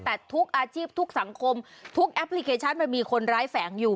แต่ทุกอาชีพทุกสังคมทุกแอปพลิเคชันมันมีคนร้ายแฝงอยู่